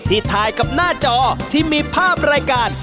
ถ่ายกับหน้าจอที่มีภาพรายการ